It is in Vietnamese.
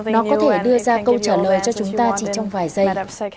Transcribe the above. nó có thể đưa ra câu trả lời cho chúng ta chỉ trong vài giây